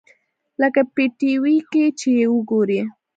لکه په ټي وي کښې چې يې وګورې.